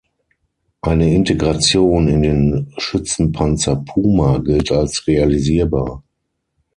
Eine Integration in den Schützenpanzer Puma gilt als realisierbar.